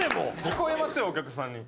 聞こえますよお客さんに。